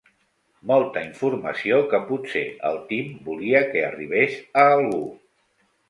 Molta informació que potser el Tim volia que arribés a algú.